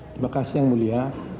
terima kasih yang mulia